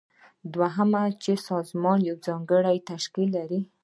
دوهم دا چې سازمان یو ځانګړی تشکیل لري.